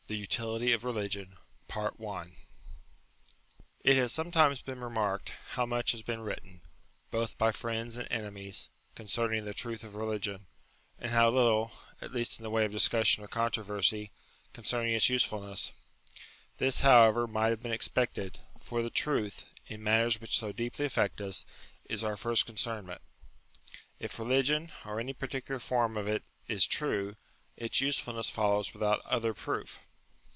UTILITY OF RELIGION UTILITY OF RELIGION TT has sometimes been remarked how much has been written, both by friends and enemies, concerning the truth of religion, and how little, at least in the O '' way of discussion or controversy, concerning its use fulness. This, however, might have been expected ; for the truth, in matters which so deeply affect us, is our first concernment. If religion, or any particular form of it, is true, its usefulness follows without other proof.